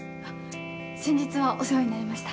先日はお世話になりました。